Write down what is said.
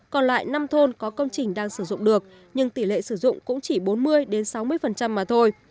còn lại năm thôn có công trình đang sử dụng được nhưng tỷ lệ sử dụng cũng chỉ bốn mươi sáu mươi mà thôi